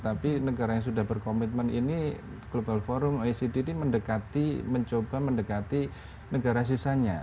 tetapi negara yang sudah berkomitmen ini global forum oecd ini mencoba mendekati negara sisanya